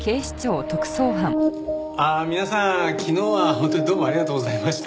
皆さん昨日は本当にどうもありがとうございました。